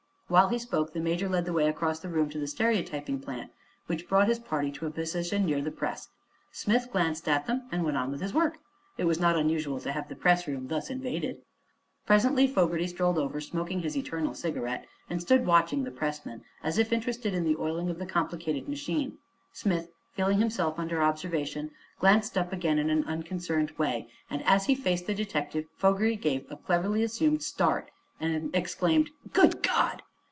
While he spoke the Major led the way across the room to the stereotyping plant, which brought his party to a position near the press. Smith glanced at them and went on with his work. It was not unusual to have the pressroom thus invaded. Presently Fogerty strolled over, smoking his eternal cigarette, and stood watching the pressman, as if interested in the oiling of the complicated machine. Smith, feeling himself under observation, glanced up again in an unconcerned way, and as he faced the detective Fogerty gave a cleverly assumed start and exclaimed: "Good God!"